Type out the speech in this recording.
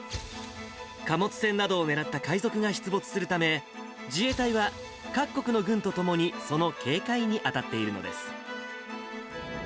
貨物船などを狙った海賊が出没するため、自衛隊は各国の軍と共にその警戒に当たっているのです。